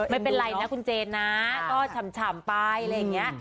ไม่เป็นไรนะคุณเจนนะก็ฉ่ำไปอะไรอย่างนี้